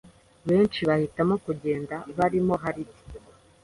benshi bahitamo kugenda barimo Hardi